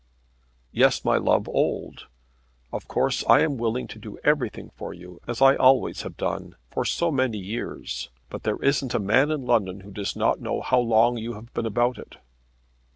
"Yes, my love, old. Of course I am willing to do everything for you, as I always have done, for so many years, but there isn't a man in London who does not know how long you have been about it."